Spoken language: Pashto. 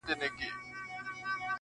له ډېر غمه یې څښتن سو فریشانه,